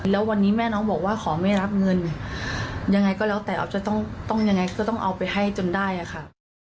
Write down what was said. แล้ววันนี้แม่น้องบอกว่าขอไม่รับเงินยังไงก็แล้วแต่ออฟจะต้องยังไงก็ต้องเอาไปให้จนได้อะค่ะ